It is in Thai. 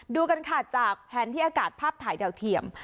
ดูกันค่ะจากแผนที่อากาศภาพถ่ายดาวเทียม